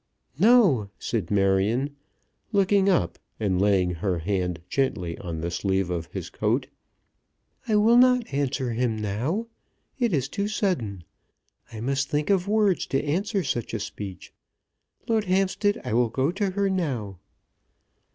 "No," said Marion, looking up, and laying her hand gently on the sleeve of his coat. "I will not answer him now. It is too sudden. I must think of words to answer such a speech. Lord Hampstead, I will go to her now."